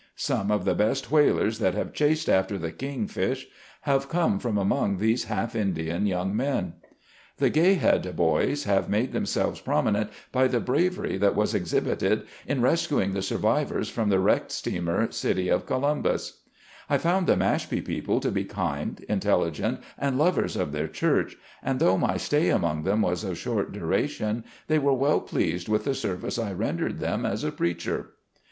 Some of the best whalers that have chased after the king fish, have come from among these half Indian young men. IN MANY FIELDS. 121 The Gay Head boys have made themselves prominent by the bravery that was exhibited in rescuing the survivors from the wrecked steamer, "City of Columbus" I found the Mashpee people to be kind, intelli gent, and lovers of their church, and though my stay among them was of short duration, they were well pleased with the service I rendered them as a preacher.